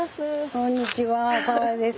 こんにちは澤井です。